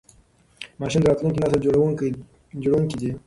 ماشومان د راتلونکي نسل جوړونکي دي.